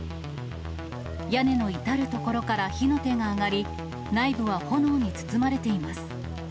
屋根の至る所から火の手が上がり、内部は炎に包まれています。